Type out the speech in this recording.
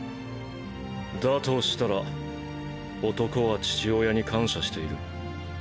としたら男は父親に感謝している。